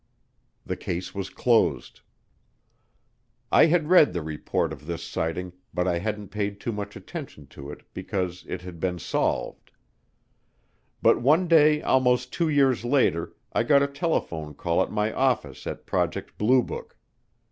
The case was closed. I had read the report of this sighting but I hadn't paid too much attention to it because it had been "solved." But one day almost two years later I got a telephone call at my office at Project Blue Book.